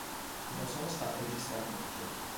Non sono state registrate vittime.